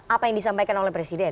apa yang disampaikan oleh presiden